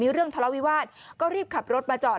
เรื่องทะเลาวิวาสก็รีบขับรถมาจอด